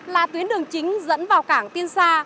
là tuyến đường chính dẫn vào cảng tiên sa